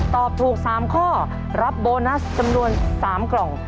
ตอบถูก๓ข้อรับโบนัสจำนวน๓กล่อง